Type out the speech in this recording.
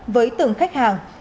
với từng khách hàng